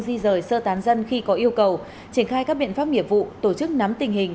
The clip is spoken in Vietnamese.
di rời sơ tán dân khi có yêu cầu triển khai các biện pháp nghiệp vụ tổ chức nắm tình hình